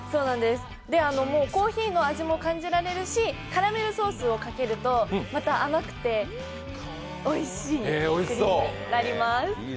コーヒーの味も感じられるしカラメルソースをかけるとまた甘くて、おいしいプリンになります。